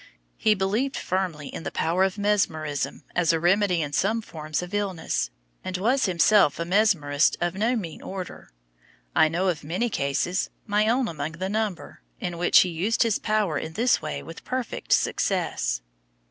He believed firmly in the power of mesmerism, as a remedy in some forms of illness, and was himself a mesmerist of no mean order; I know of many cases, my own among the number, in which he used his power in this way with perfect success.